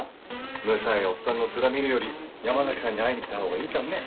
むさいおっさんのツラ見るより山崎さんに会いに来たほうがいいじゃんね。